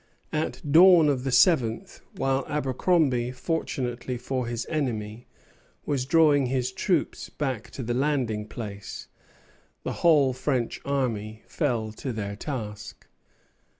At dawn of the seventh, while Abercromby, fortunately for his enemy, was drawing his troops back to the landing place, the whole French army fell to their task.